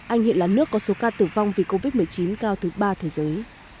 anh hiện là nước có số ca tử vong vì covid một mươi chín cao thứ ba thế giới